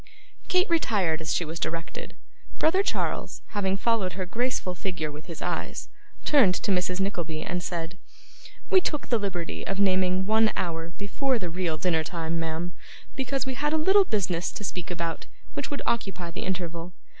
Kate retired as she was directed. Brother Charles, having followed her graceful figure with his eyes, turned to Mrs. Nickleby, and said: 'We took the liberty of naming one hour before the real dinner time, ma'am, because we had a little business to speak about, which would occupy the interval.